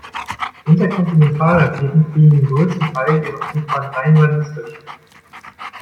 Interkontinentalraketen fliegen den größten Teil ihrer Flugbahn rein ballistisch.